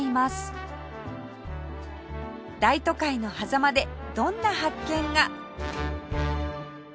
大都会のはざまでどんな発見が